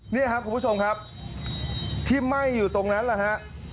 นี่ครับคุณผู้ชมครับที่ไหม้อยู่ตรงนั้นแหละฮะ